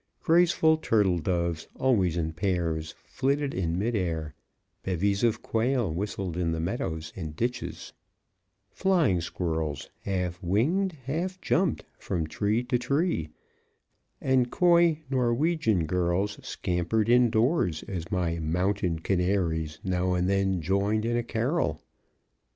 Graceful turtle doves, always in pairs, flitted in mid air; bevies of quail whistled in the meadows and ditches; flying squirrels, half winged, half jumped from tree to tree; and coy Norwegian girls scampered indoors as my "mountain canaries" now and then joined in a carol.